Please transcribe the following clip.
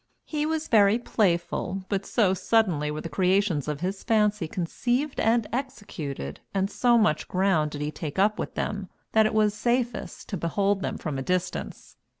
He was very playful, but so suddenly were the creations of his fancy conceived and executed, and so much ground did he take up with them, that it was safest to behold them from a distance.